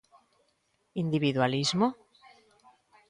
Individualismo?